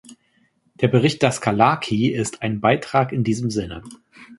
Der Bericht Daskalaki ist ein Beitrag in diesem Sinne.